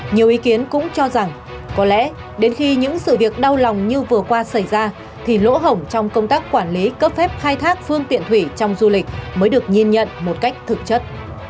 nhiều ý kiến cũng cho rằng có lẽ đến khi những sự việc đau lòng như vừa qua xảy ra thì lỗ hổng trong công tác quản lý cấp phép khai thác phương tiện thủy trong du lịch mới được nhìn nhận một cách thực chất